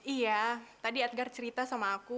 iya tadi adgar cerita sama aku